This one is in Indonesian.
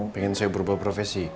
pengen saya berubah profesi